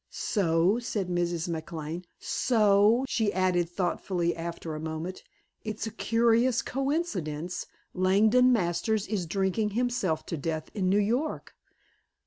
"So," said Mrs. McLane. "So," She added thoughtfully after a moment. "It's a curious coincidence. Langdon Masters is drinking himself to death in New York.